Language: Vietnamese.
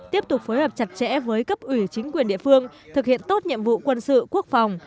tiếp tục phối hợp chặt chẽ với cấp ủy chính quyền địa phương thực hiện tốt nhiệm vụ quân sự quốc phòng